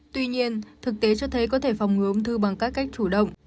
tuy nhiên thực tế cho thấy có thể phòng ngứa ông thư bằng các cách chủ động